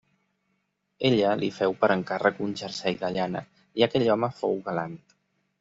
Ella li féu per encàrrec un jersei de llana i aquell home fou galant.